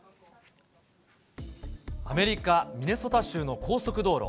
アメリカ・ミネソタ州の高速道路。